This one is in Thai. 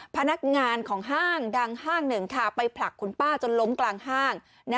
พนักงานของห้างดังห้างหนึ่งไปผลักคุณป้าจนล้มกลางห้าง